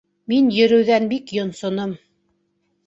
Мин йөрөүҙән бик йонсоном